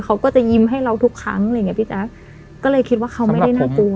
เขาก็จะยิ้มให้เราทุกครั้งอะไรอย่างเงี้พี่แจ๊คก็เลยคิดว่าเขาไม่ได้น่ากลัว